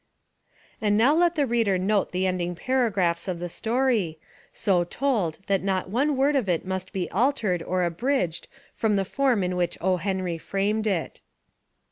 And now let the reader note the ending para graphs of the story, so told that not one word of it must be altered or abridged from the form in which O. Henry framed it.